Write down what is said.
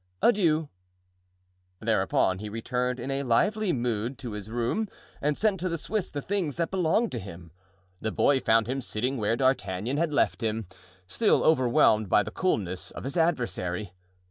Adieu." Thereupon he returned in a lively mood to his room and sent to the Swiss the things that belonged to him. The boy found him sitting where D'Artagnan had left him, still overwhelmed by the coolness of his adversary.